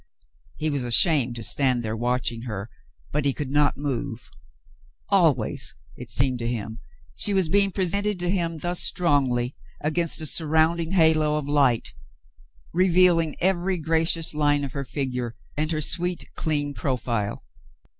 He 'was ashamed to stand there watching her, but he could not move. Always, it seemed to him, she was being presented to him thus strongly against a surrounding halo Hoyle visits David 147 of light, revealing every gracious line of her figure and her sweet, clean profile.